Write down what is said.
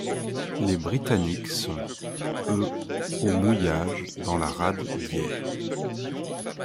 Les Britanniques sont, eux, au mouillage dans la rade d'Hyères.